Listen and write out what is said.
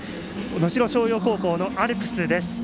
能代松陽高校のアルプスです。